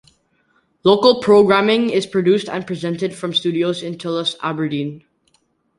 Local programming is produced and presented from studios in Tullos, Aberdeen.